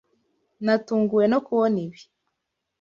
Natunguwe no kubona ibi. (